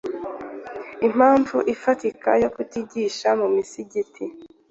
impamvu idafatika yo kutigisha mu misigiti